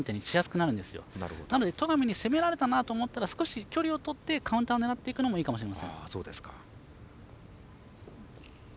なので、戸上に攻められたなと思ったら少し距離をとってカウンターを狙っていくのもいいかもしれません。